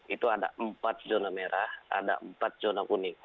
itu ada empat zona merah ada empat zona kuning